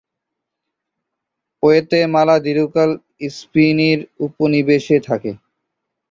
Guatemala দীর্ঘকাল স্প্যানীয় উপনিবেশে থাকে।